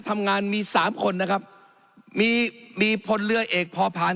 ทำงานมีสามคนนะครับมีมีพลเรือเอกพอพาน